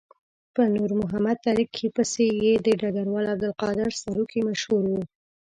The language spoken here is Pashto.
په نور محمد تره کي پسې یې د ډګروال عبدالقادر سروکي مشهور وو.